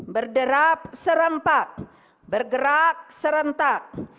berderap serempak bergerak serentak